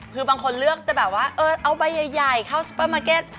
คือบางคนเลือกจะแบบว่าเอาใบใหญ่เข้าซุปเปอร์มาร์เก็ต